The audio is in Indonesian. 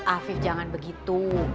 afif jangan begitu